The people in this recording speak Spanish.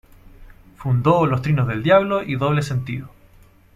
Fundó "Los trinos del diablo" y "Doble sentido".